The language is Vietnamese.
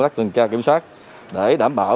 các tường cao kiểm soát để đảm bảo